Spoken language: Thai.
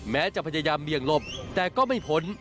แม้จะพยายามเบี่ยงหลบแต่ก็ไม่พ้น